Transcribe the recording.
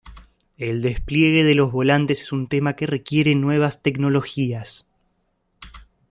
El despliegue de los volantes es un tema que requiere nuevas tecnologías.